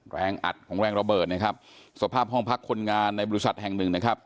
แรงอัดของแรงระเบิดนะครับสภาพห้องพักคนงานในบริษัทแห่งหนึ่งนะครับ